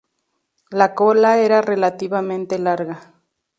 La cola era relativamente larga.